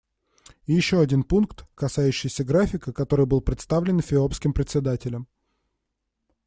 И еще один пункт, касающийся графика, который был представлен эфиопским Председателем.